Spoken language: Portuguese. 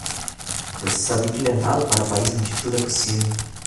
Você só tem que levá-lo para o país onde tudo é possível.